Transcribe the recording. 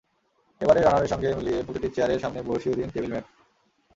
এবারের রানারের সঙ্গে মিলিয়ে প্রতিটি চেয়ারের সামনে বসিয়ে দিন টেবিল ম্যাট।